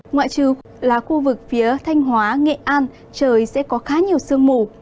ngoại trừ là khu vực phía thanh hóa nghệ an trời sẽ có khá nhiều sương mù